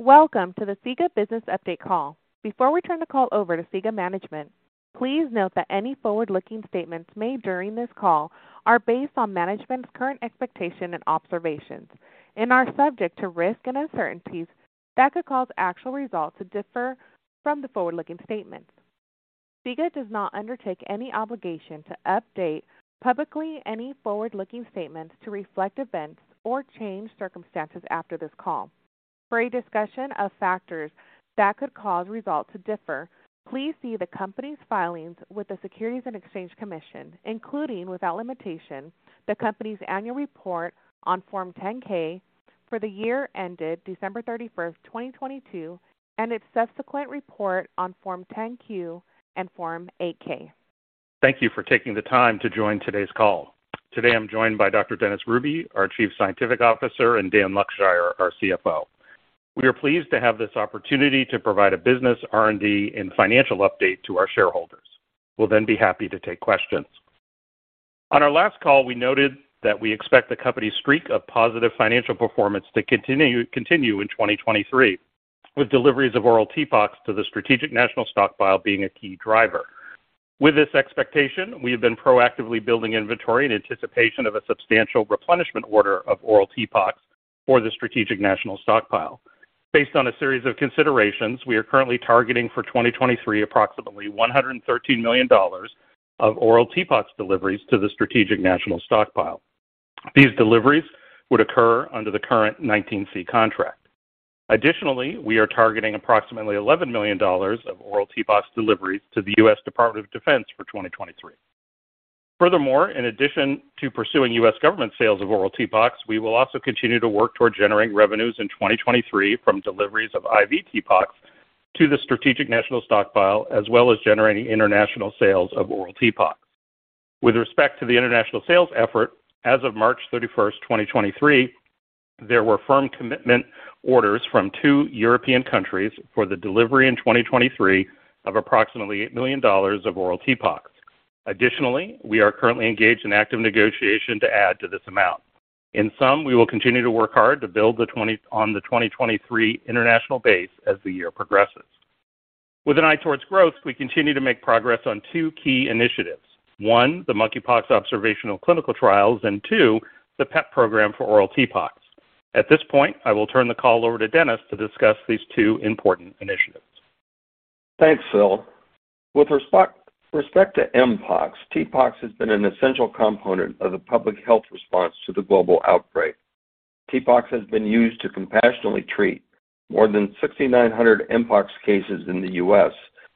Welcome to the SIGA Business Update Call. Before we turn the call over to SIGA management, please note that any forward-looking statements made during this call are based on management's current expectation and observations and are subject to risk and uncertainties that could cause actual results to differ from the forward-looking statements. SIGA does not undertake any obligation to update publicly any forward-looking statements to reflect events or change circumstances after this call. For a discussion of factors that could cause results to differ, please see the company's filings with the Securities and Exchange Commission, including, without limitation, the company's annual report on Form 10-K for the year ended December 31, 2022, and its subsequent report on Form 10-Q and Form 8-K. Thank you for taking the time to join today's call. Today I'm joined by Dr. Dennis Hruby, our Chief Scientific Officer, and Daniel Luckshire, our CFO. We are pleased to have this opportunity to provide a business R&D and financial update to our shareholders. We'll then be happy to take questions. On our last call, we noted that we expect the company's streak of positive financial performance to continue in 2023, with deliveries of oral TPOXX to the Strategic National Stockpile being a key driver. With this expectation, we have been proactively building inventory in anticipation of a substantial replenishment order of oral TPOXX for the Strategic National Stockpile. Based on a series of considerations, we are currently targeting for 2023 approximately $113 million of oral TPOXX deliveries to the Strategic National Stockpile. These deliveries would occur under the current 19C contract. Additionally, we are targeting approximately $11 million of oral TPOXX deliveries to the U.S. Department of Defense for 2023. Furthermore, in addition to pursuing U.S. government sales of oral TPOXX, we will also continue to work toward generating revenues in 2023 from deliveries of IV TPOXX to the Strategic National Stockpile, as well as generating international sales of oral TPOXX. With respect to the international sales effort, as of March 31st, 2023, there were firm commitment orders from two European countries for the delivery in 2023 of approximately $8 million of oral TPOXX. Additionally, we are currently engaged in active negotiation to add to this amount. In sum, we will continue to work hard to build on the 2023 international base as the year progresses. With an eye towards growth, we continue to make progress on two key initiatives. One, the monkeypox observational clinical trials, two, the PEP program for oral TPOXX. At this point, I will turn the call over to Dennis to discuss these two important initiatives. Thanks, Phil. With respect to mpox, TPOXX has been an essential component of the public health response to the global outbreak. TPOXX has been used to compassionately treat more than 6,900 mpox cases in the U.S.,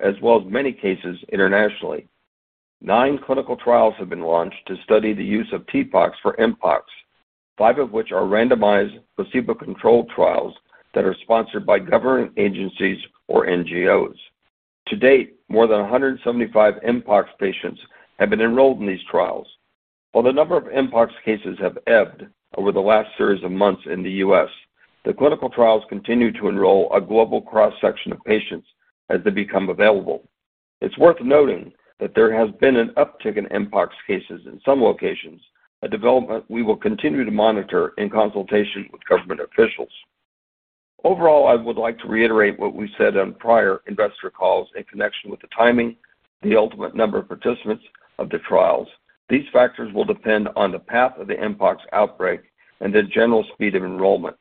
as well as many cases internationally. Nine clinical trials have been launched to study the use of TPOXX for mpox, five of which are randomized, placebo-controlled trials that are sponsored by government agencies or NGOs. To date, more than 175 mpox patients have been enrolled in these trials. While the number of mpox cases have ebbed over the last series of months in the U.S., the clinical trials continue to enroll a global cross-section of patients as they become available. It's worth noting that there has been an uptick in mpox cases in some locations, a development we will continue to monitor in consultation with government officials. Overall, I would like to reiterate what we said on prior investor calls in connection with the timing, the ultimate number of participants of the trials. These factors will depend on the path of the mpox outbreak and the general speed of enrollment.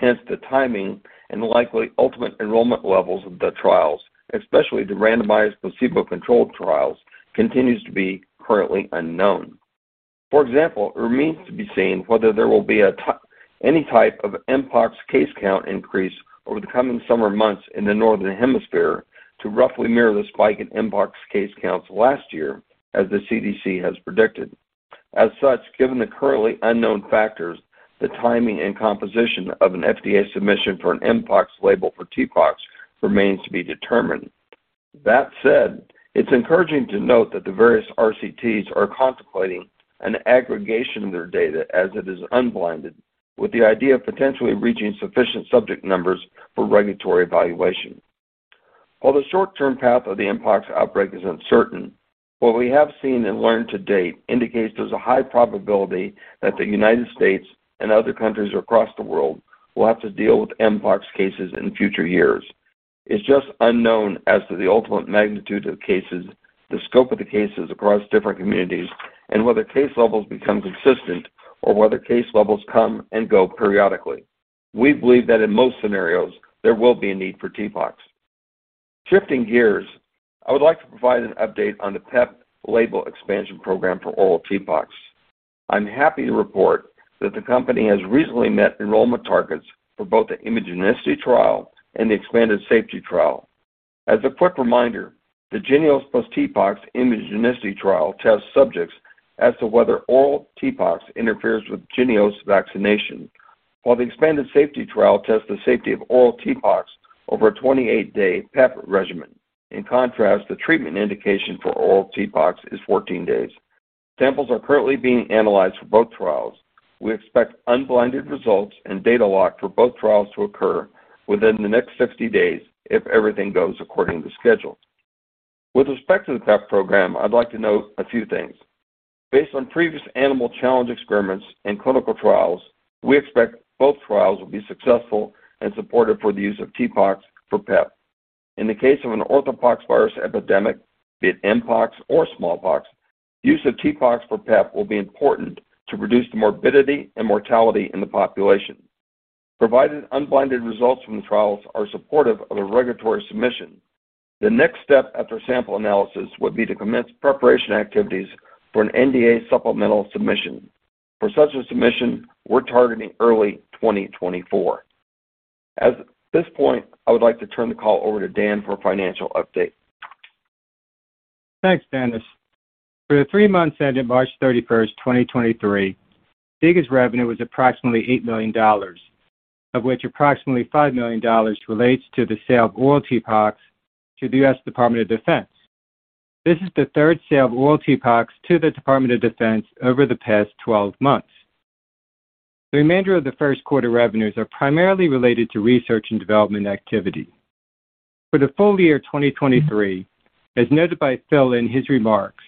The timing and likely ultimate enrollment levels of the trials, especially the randomized placebo-controlled trials, continues to be currently unknown. For example, it remains to be seen whether there will be any type of mpox case count increase over the coming summer months in the northern hemisphere to roughly mirror the spike in mpox case counts last year, as the CDC has predicted. Given the currently unknown factors, the timing and composition of an FDA submission for an mpox label for TPOXX remains to be determined. That said, it's encouraging to note that the various RCTs are contemplating an aggregation of their data as it is unblinded, with the idea of potentially reaching sufficient subject numbers for regulatory evaluation. While the short term path of the mpox outbreak is uncertain, what we have seen and learned to date indicates there's a high probability that the United States and other countries across the world will have to deal with mpox cases in future years. It's just unknown as to the ultimate magnitude of cases, the scope of the cases across different communities, and whether case levels become consistent or whether case levels come and go periodically. We believe that in most scenarios there will be a need for TPOXX. Shifting gears, I would like to provide an update on the PEP label expansion program for oral TPOXX. I'm happy to report that the company has recently met enrollment targets for both the immunogenicity trial and the expanded safety trial. As a quick reminder, the JYNNEOS plus TPOXX immunogenicity trial tests subjects as to whether oral TPOXX interferes with JYNNEOS vaccination, while the expanded safety trial tests the safety of oral TPOXX over a 28-day PEP regimen. In contrast, the treatment indication for oral TPOXX is 14 days. Samples are currently being analyzed for both trials. We expect unblinded results and data lock for both trials to occur within the next 60 days if everything goes according to schedule. With respect to the PEP program, I'd like to note a few things. Based on previous animal challenge experiments and clinical trials, we expect both trials will be successful and supported for the use of TPOXX for PEP. In the case of an Orthopoxvirus epidemic, be it mpox or smallpox, use of TPOXX for PEP will be important to reduce the morbidity and mortality in the population. Provided unblinded results from the trials are supportive of a regulatory submission, the next step after sample analysis would be to commence preparation activities for an NDA supplemental submission. For such a submission, we're targeting early 2024. At this point, I would like to turn the call over to Dan for a financial update. Thanks, Dennis. For the three months ended March 31st, 2023, SIGA's revenue was approximately $8 million, of which approximately $5 million relates to the sale of oral TPOXX to the U.S. Department of Defense. This is the third sale of oral TPOXX to the Department of Defense over the past 12 months. The remainder of the first quarter revenues are primarily related to research and development activity. For the full year 2023, as noted by Phil in his remarks,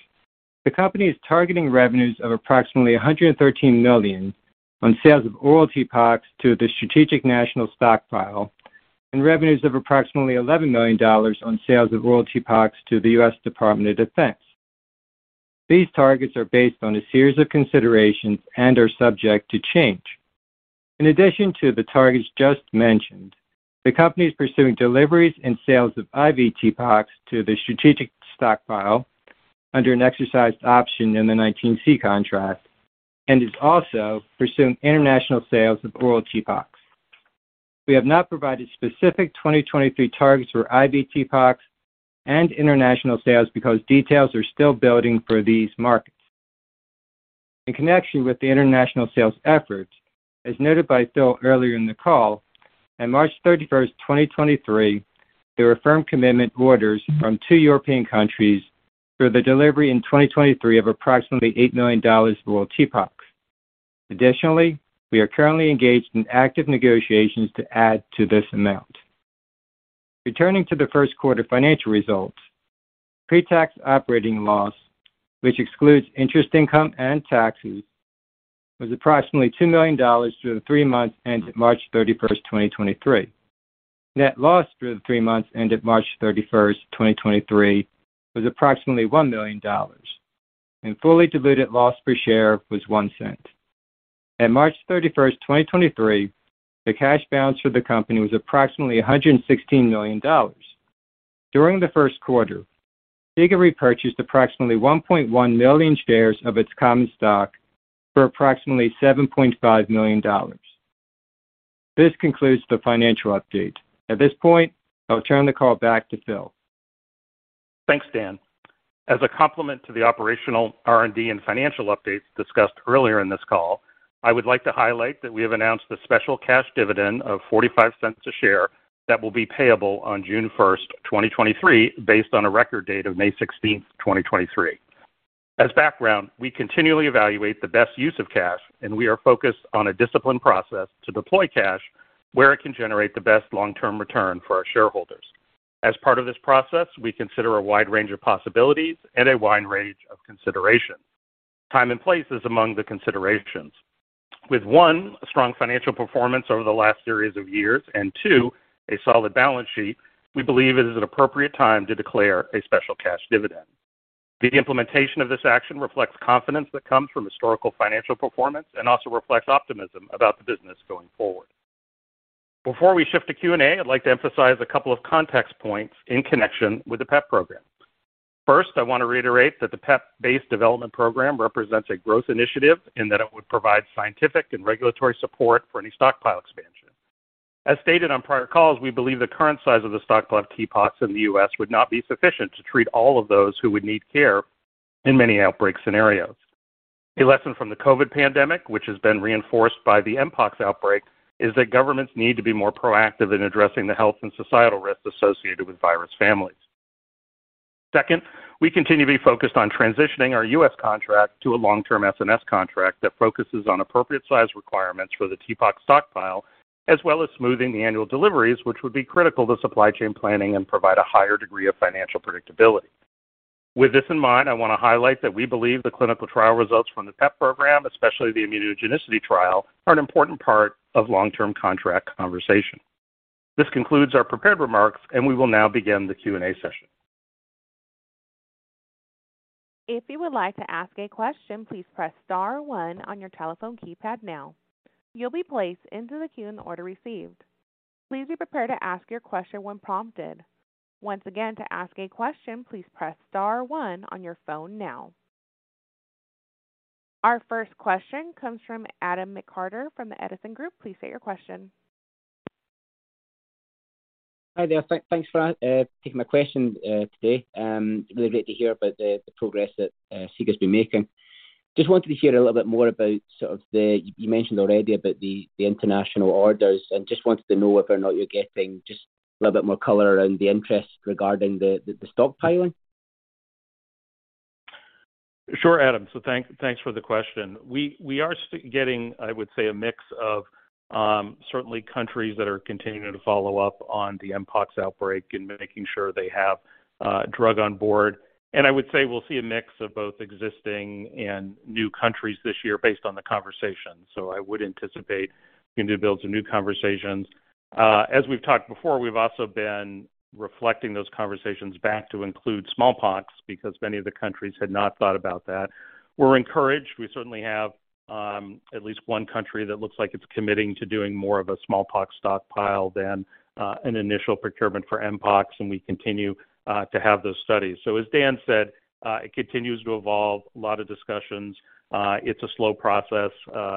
the company is targeting revenues of approximately $113 million on sales of oral TPOXX to the Strategic National Stockpile and revenues of approximately $11 million on sales of oral TPOXX to the U.S. Department of Defense. These targets are based on a series of considerations and are subject to change. In addition to the targets just mentioned, the company is pursuing deliveries and sales of IV TPOXX to the strategic stockpile under an exercised option in the 19C contract and is also pursuing international sales of oral TPOXX. We have not provided specific 2023 targets for IV TPOXX and international sales because details are still building for these markets. In connection with the international sales efforts, as noted by Phil earlier in the call, on March 31st, 2023, there were firm commitment orders from two European countries for the delivery in 2023 of approximately $8 million of oral TPOXX. Additionally, we are currently engaged in active negotiations to add to this amount. Returning to the first quarter financial results, pre-tax operating loss, which excludes interest income and taxes, was approximately $2 million through the three months ended March 31st, 2023. Net loss through the three months ended March 31, 2023, was approximately $1 million, fully diluted loss per share was $0.01. At March 31, 2023, the cash balance for the company was approximately $116 million. During the first quarter, SIGA repurchased approximately 1.1 million shares of its common stock for approximately $7.5 million. This concludes the financial update. At this point, I'll turn the call back to Phil. Thanks, Dan Luckshire. As a complement to the operational R&D and financial updates discussed earlier in this call, I would like to highlight that we have announced a special cash dividend of $0.45 a share that will be payable on June 1, 2023, based on a record date of May 16, 2023. As background, we continually evaluate the best use of cash. We are focused on a disciplined process to deploy cash where it can generate the best long-term return for our shareholders. As part of this process, we consider a wide range of possibilities and a wide range of considerations. Time and place is among the considerations. With one, strong financial performance over the last series of years, two, a solid balance sheet, we believe it is an appropriate time to declare a special cash dividend. The implementation of this action reflects confidence that comes from historical financial performance and also reflects optimism about the business going forward. Before we shift to Q&A, I'd like to emphasize a couple of context points in connection with the PEP program. First, I want to reiterate that the PEP-based development program represents a growth initiative in that it would provide scientific and regulatory support for any stockpile expansion. As stated on prior calls, we believe the current size of the stockpile of TPOXX in the U.S. would not be sufficient to treat all of those who would need care in many outbreak scenarios. A lesson from the COVID pandemic, which has been reinforced by the mpox outbreak, is that governments need to be more proactive in addressing the health and societal risks associated with virus families. Second, we continue to be focused on transitioning our U.S. contract to a long-term SNS contract that focuses on appropriate size requirements for the TPOXX stockpile, as well as smoothing the annual deliveries, which would be critical to supply chain planning and provide a higher degree of financial predictability. With this in mind, I want to highlight that we believe the clinical trial results from the PEP program, especially the immunogenicity trial, are an important part of long-term contract conversation. This concludes our prepared remarks, and we will now begin the Q&A session. If you would like to ask a question, please press star one on your telephone keypad now. You'll be placed into the queue in the order received. Please be prepared to ask your question when prompted. Once again, to ask a question, please press star one on your phone now. Our first question comes from Adam McCarter from the Edison Group. Please state your question. Hi there. Thanks for taking my question today. Really great to hear about the progress that SIGA's been making. Just wanted to hear a little bit more about sort of the... You mentioned already about the international orders, and just wanted to know whether or not you're getting just a little bit more color around the interest regarding the stockpiling. Sure, Adam. Thanks for the question. We are getting, I would say, a mix of certainly countries that are continuing to follow up on the mpox outbreak and making sure they have drug on board. I would say we'll see a mix of both existing and new countries this year based on the conversation. I would anticipate going to build some new conversations. As we've talked before, we've also been reflecting those conversations back to include smallpox because many of the countries had not thought about that. We're encouraged. We certainly have at least one country that looks like it's committing to doing more of a smallpox stockpile than an initial procurement for mpox, and we continue to have those studies. As Dan said, it continues to evolve, a lot of discussions. It's a slow process,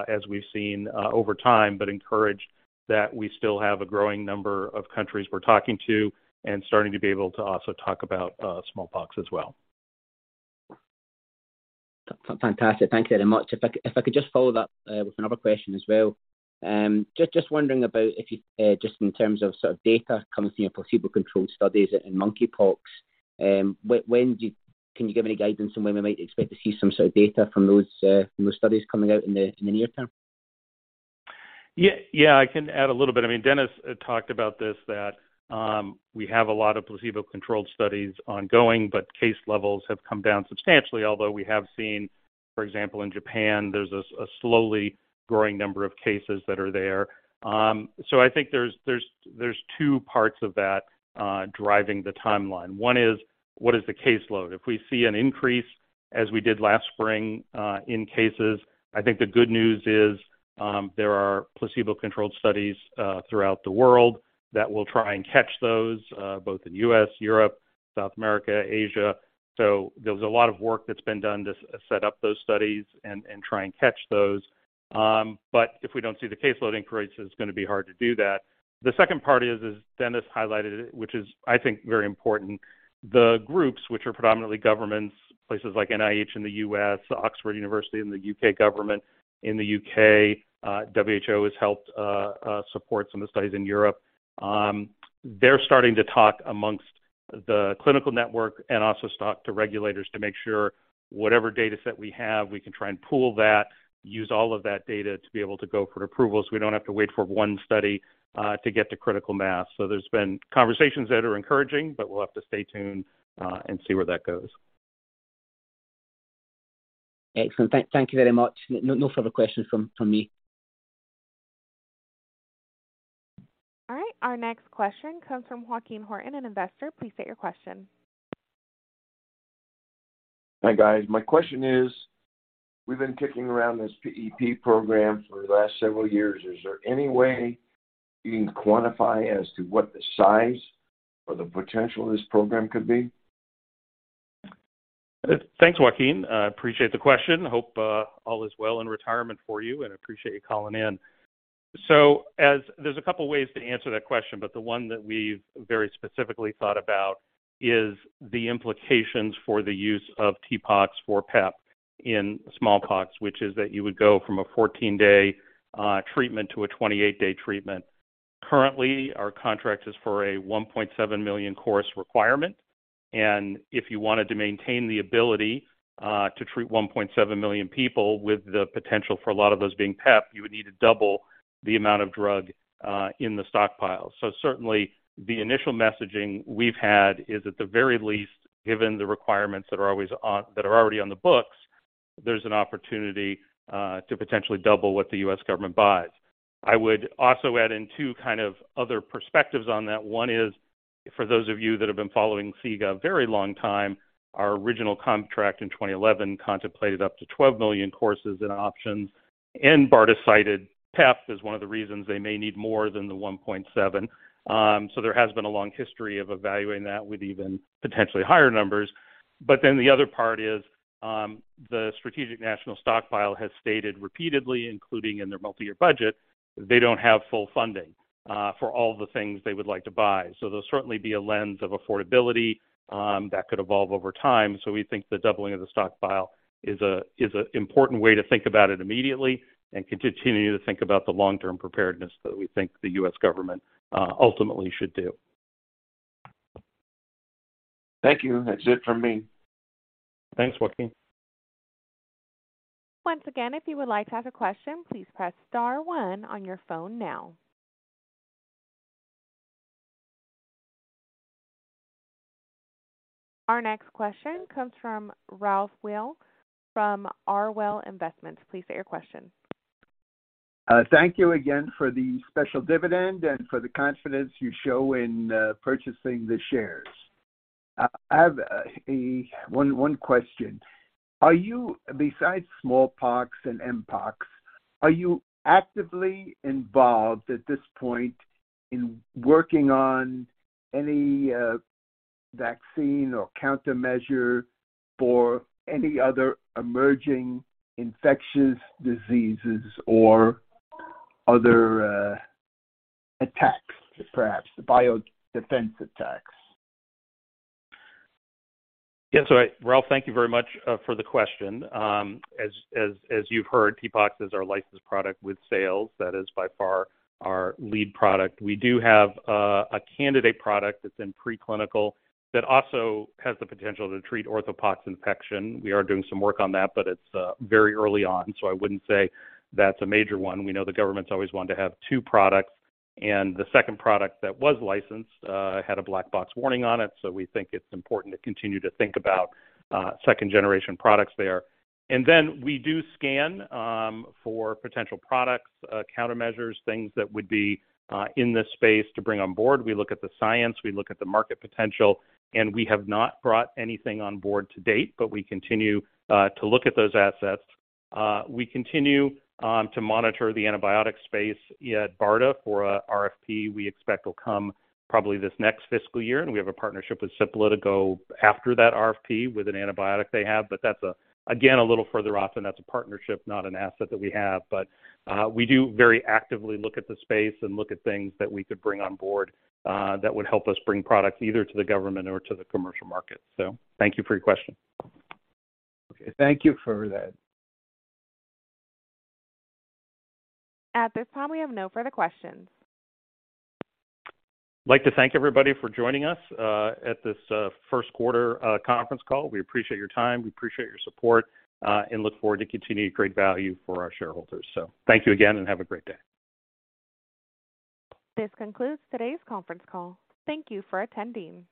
as we've seen, over time, but encouraged that we still have a growing number of countries we're talking to and starting to be able to also talk about smallpox as well. Fantastic. Thank you very much. If I could just follow that with another question as well. Just wondering about if you just in terms of sort of data coming from your placebo-controlled studies in mpox, can you give any guidance on when we might expect to see some sort of data from those from those studies coming out in the near term? Yeah, I can add a little bit. I mean, Dennis talked about this, that we have a lot of placebo-controlled studies ongoing. Case levels have come down substantially. Although we have seen, for example, in Japan, there's a slowly growing number of cases that are there. I think there's two parts of that driving the timeline. One is, what is the caseload? If we see an increase as we did last spring in cases, I think the good news is, there are placebo-controlled studies throughout the world that will try and catch those, both in the U.S., Europe, South America, Asia. There's a lot of work that's been done to set up those studies and try and catch those. If we don't see the caseload increase, it's gonna be hard to do that. The second part is, as Dennis highlighted, which is I think very important, the groups which are predominantly governments, places like NIH in the U.S., University of Oxford and the U.K. government in the U.K., WHO has helped support some of the studies in Europe. They're starting to talk amongst the clinical network and also talk to regulators to make sure whatever dataset we have, we can try and pool that, use all of that data to be able to go for approval, so we don't have to wait for one study to get to critical mass. There's been conversations that are encouraging, but we'll have to stay tuned and see where that goes. Excellent. Thank you very much. No further questions from me. All right. Our next question comes from Joaquin Horton, an investor. Please state your question. Hi, guys. My question is, we've been kicking around this PEP program for the last several years. Is there any way you can quantify as to what the size or the potential of this program could be? Thanks, Joaquin. I appreciate the question. Hope, all is well in retirement for you, and appreciate you calling in. There's a couple of ways to answer that question, but the one that we've very specifically thought about is the implications for the use of TPOXX for PEP in smallpox, which is that you would go from a 14-day treatment to a 28-day treatment. Currently, our contract is for a 1.7 million course requirement. If you wanted to maintain the ability to treat 1.7 million people with the potential for a lot of those being PEP, you would need to double the amount of drug in the stockpile. Certainly the initial messaging we've had is at the very least, given the requirements that are already on the books, there's an opportunity to potentially double what the U.S. government buys. I would also add in two kind of other perspectives on that. One is, for those of you that have been following SIGA a very long time, our original contract in 2011 contemplated up to 12 million courses in options, and BARDA cited PEP as one of the reasons they may need more than the 1.7. There has been a long history of evaluating that with even potentially higher numbers. The other part is, the Strategic National Stockpile has stated repeatedly, including in their multi-year budget, they don't have full funding for all the things they would like to buy. There'll certainly be a lens of affordability that could evolve over time. We think the doubling of the stockpile is a important way to think about it immediately and continue to think about the long-term preparedness that we think the U.S. government ultimately should do. Thank you. That's it from me. Thanks, Joaquin. Once again, if you would like to ask a question, please press star one on your phone now. Our next question comes from Ralph Weil from R. Weil Investment. Please state your question. Thank you again for the special dividend and for the confidence you show in purchasing the shares. I have one question. Are you, besides smallpox and mpox, are you actively involved at this point in working on any vaccine or countermeasure for any other emerging infectious diseases or other attacks, perhaps biodefense attacks? Yes. Ralph, thank you very much for the question. As you've heard, TPOXX is our licensed product with sales. That is by far our lead product. We do have a candidate product that's in preclinical that also has the potential to treat orthopox infection. We are doing some work on that, but it's very early on, so I wouldn't say that's a major one. We know the government's always wanted to have two products, and the second product that was licensed had a boxed warning on it. We think it's important to continue to think about second-generation products there. We do scan for potential products, countermeasures, things that would be in this space to bring on board. We look at the science, we look at the market potential, we have not brought anything on board to date, we continue to look at those assets. We continue to monitor the antibiotic space at BARDA for a RFP we expect will come probably this next fiscal year. We have a partnership with Cipla to go after that RFP with an antibiotic they have. That's again, a little further off, and that's a partnership, not an asset that we have. We do very actively look at the space and look at things that we could bring on board that would help us bring products either to the government or to the commercial market. Thank you for your question. Okay. Thank you for that. At this time, we have no further questions. Like to thank everybody for joining us, at this first quarter conference call. We appreciate your time, we appreciate your support, and look forward to continued great value for our shareholders. Thank you again, and have a great day. This concludes today's conference call. Thank you for attending.